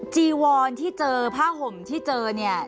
จีวอนที่เจอผ้าห่มที่เจอเนี่ย